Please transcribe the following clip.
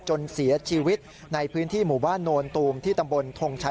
จนเสียชีวิตในพื้นที่หมู่บ้านโนนตูมที่ตำบลทงชัย